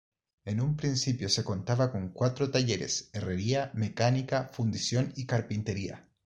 En un principio se contaba con cuatro talleres; Herrería, Mecánica, Fundición y Carpintería.